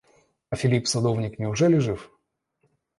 А Филипп садовник, неужели жив?